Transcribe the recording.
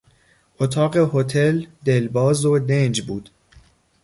اتاق هتل دلباز و دنج بود.